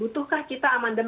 butuhkah kita amendement